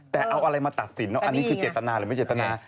แต่เอาอะไรมาตัดสินอันนี้คือเจตนาหรือไม่เจตนา